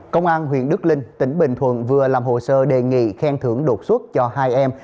công an huyện đức linh tỉnh bình thuận vừa làm hồ sơ đề nghị khen thưởng đột xuất cho hai em